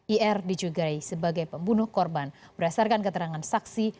ir dijugai sebagai pembunuh korban berdasarkan keterangan saksi